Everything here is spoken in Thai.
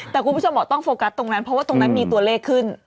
แต่คุณผู้ชมหมอต้องโฟกัสตรงนั้นเพราะว่าตรงนั้นมีตัวเลขขึ้น